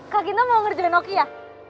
kak gita mau ngerjain oki ya